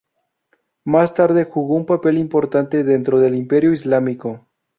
Más tarde jugó un papel importante dentro del Imperio islámico.